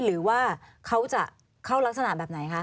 หรือว่าเขาจะเข้ารักษณะแบบไหนคะ